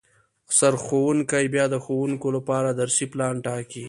سرښوونکی بیا د ښوونکو لپاره درسي پلان ټاکي